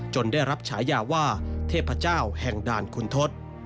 ได้รับฉายาว่าเทพเจ้าแห่งด่านคุณทศ